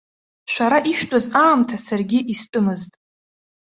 Шәара ишәтәыз аамҭа саргьы истәымызт.